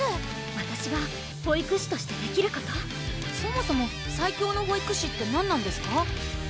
わたしが保育士としてできることそもそも最強の保育士って何なんですか？